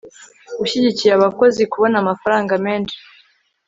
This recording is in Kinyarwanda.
ushyigikiye abakozi kubona amafaranga menshi